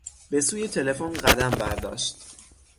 به سوی تلفن قدم برداشت.